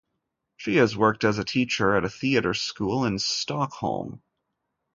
She has worked as a teacher at a theatre school in Stockholm.